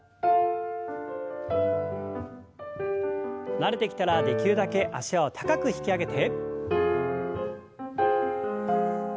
慣れてきたらできるだけ脚を高く引き上げて。